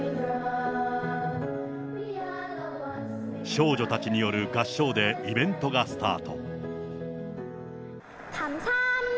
少女たちによる合唱でイベントがスタート。